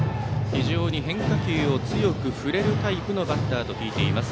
非常に変化球を強く振れるタイプのバッターと聞いています。